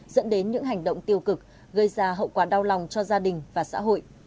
dẫn đến những hành động tiêu cực gây ra hậu quả đau lòng cho gia đình và xã hội